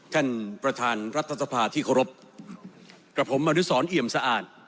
ท่านประธานรัฐสภาที่เคารพกับผมมริสรเอี่ยมสะอาด